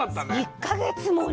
１か月もね。